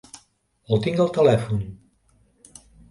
El tinc al telèfon.